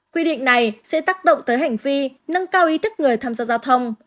quy định này sẽ tác động tới hành vi nâng cao ý thức người tham gia giao thông